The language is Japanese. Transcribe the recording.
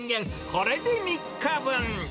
これで３日分。